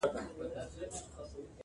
o خو ځيني سيان نه بدلېږي هېڅکله,